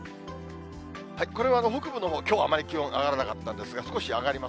これは北部のほう、きょうあまり気温上がらなかったんですが、少し上がります。